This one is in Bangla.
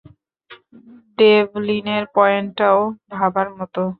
ডেভলিনের পয়েন্টটাও ভাবার মত।